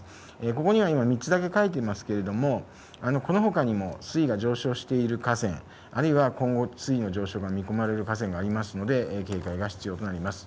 ここには今、３つだけ書いていますけれども、このほかにも水位が上昇している河川、あるいは今後、水位の上昇が見込まれる河川がありますので、警戒が必要となります。